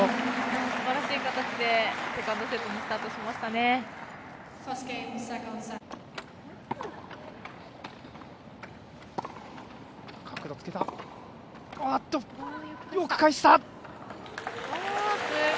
すばらしい形でセカンドセットスタートしましたね。